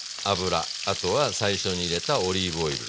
あとは最初に入れたオリーブオイル。